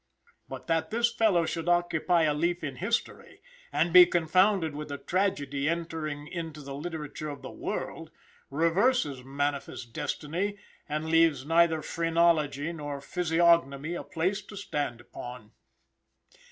But that this fellow should occupy a leaf in history and be confounded with a tragedy entering into the literature of the world, reverses manifest destiny, and leaves neither phrenology nor physiognomy a place to stand upon.